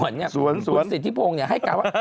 สวนสวนสวนคุณสิทธิพงฯให้การว่า